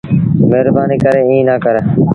مهربآݩيٚ ڪري ايٚݩ نا ڪر